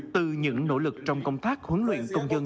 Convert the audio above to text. từ những nỗ lực trong công tác huấn luyện công dân